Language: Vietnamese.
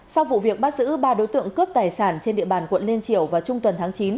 sau vụ việc bắt giữ ba đối tượng cướp tài sản trên địa bàn quận liên triều vào trung tuần tháng chín